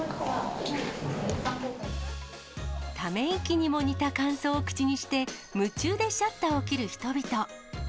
ため息にも似た感想を口にして、夢中でシャッターを切る人々。